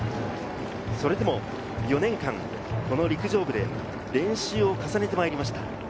それでも４年間、陸上部で練習を重ねてきました。